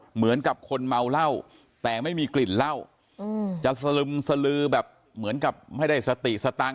เหมือนกับคนเมาเหล้าแต่ไม่มีกลิ่นเหล้าจะสลึมสลือแบบเหมือนกับไม่ได้สติสตังค์